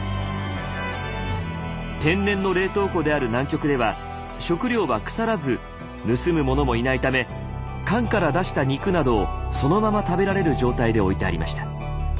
天然の冷凍庫である南極では食料は腐らず盗むものもいないため缶から出した肉などをそのまま食べられる状態で置いてありました。